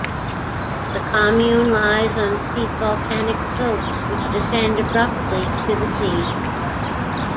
The commune lies on steep volcanic slopes which descend abruptly to the sea.